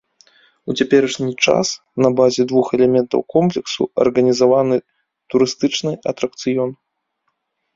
У цяперашні час на базе двух элементаў комплексу арганізаваны турыстычны атракцыён.